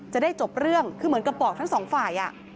จะได้จบเรื่องคือเหมือนกับบอกทั้งสองฝ่าย